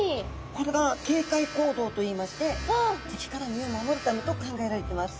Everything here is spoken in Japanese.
これが警戒行動といいまして敵から身を守るためと考えられてます。